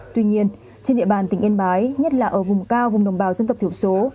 tuy nhiên trên địa bàn tỉnh yên bái nhất là ở vùng cao vùng đồng bào dân tộc thiểu số